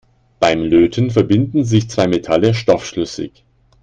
Beim Löten verbinden sich zwei Metalle stoffschlüssig.